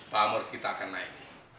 pak amor kita akan naik